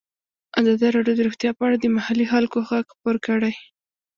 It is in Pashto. ازادي راډیو د روغتیا په اړه د محلي خلکو غږ خپور کړی.